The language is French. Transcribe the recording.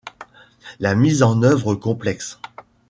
La mise en œuvre complexe.